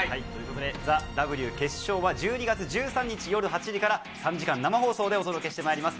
『ＴＨＥＷ』決勝は１２月１３日、夜８時から３時間生放送でお届けしてまいります。